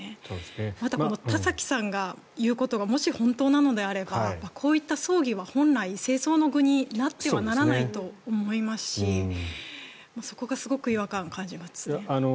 また田崎さんが言うことがもし本当なのであればこういった葬儀は本来政争の具になってはならないと思いますしそこがすごく違和感を感じますね。